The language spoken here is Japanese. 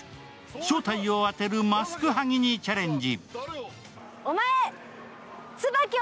正体を充てるマスク剥ぎにチャレンジ。